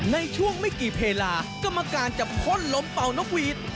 ในช่วงไม่กี่เวลาก็มาการจับคนลมเป่านกวีท